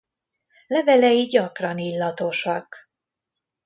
Levelei gyakran illatosak.